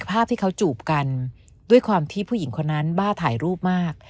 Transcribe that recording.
ภาพที่เขาจูบกันด้วยความที่ผู้หญิงคนนั้นบ้าถ่ายรูปมาก